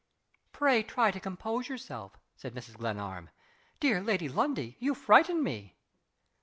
"Pray try to compose yourself," said Mrs. Glenarm. "Dear Lady Lundie, you frighten me!"